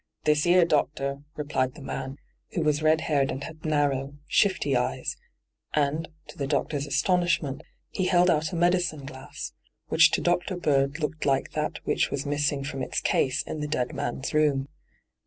' This 'ere, doctor,' replied the man, who was red haired and had narrow, shifty eyes ; and, to the doctor's astonishment, he held out a medicine glass, which to Dr. Bird looked Hke that which was missing from its case in the dead man's room.